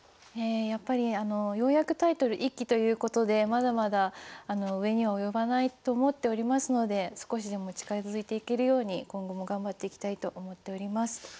やっぱりようやくタイトル１期ということでまだまだ上には及ばないと思っておりますので少しでも近づいていけるように今後も頑張っていきたいと思っております。